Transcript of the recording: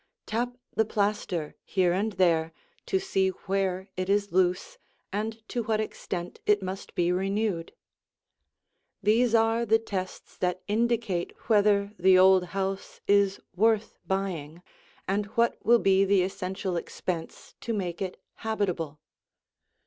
Tap the plaster here and there to see where it is loose and to what extent it must be renewed. These are the tests that indicate whether the old house is worth buying and what will be the essential expense to make it habitable.